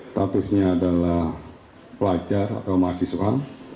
statusnya adalah pelajar atau mahasiswa